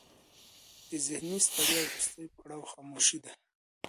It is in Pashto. د ذهني ستړیا وروستی پړاو خاموشي دی.